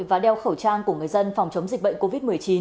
và đeo khẩu trang của người dân phòng chống dịch bệnh covid một mươi chín